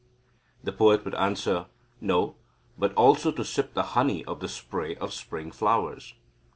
The poet would answer; "No, but also to sip the honey of the spray of spring flowers."